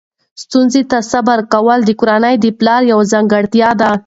ستونزو ته صبر کول د کورنۍ د پلار یوه ځانګړتیا ده.